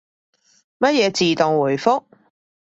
乜嘢自動回覆？